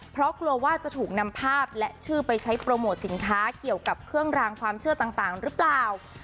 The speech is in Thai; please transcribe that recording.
เพราะกลัวว่าจะถูกนำภาพและชื่อไปใช้โปรโมทสินค้าเกี่ยวกับเครื่องรางความเชื่อต่างหรือเปล่า